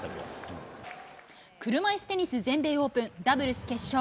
車いすテニス全米オープンダブルス決勝。